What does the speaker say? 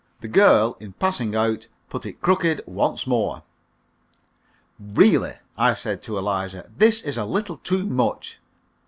The girl, in passing out, put it crooked once more. "Really," I said to Eliza, "this is a little too much!"